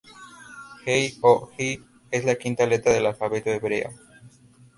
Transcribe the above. Hei o he es la quinta letra del alfabeto hebreo.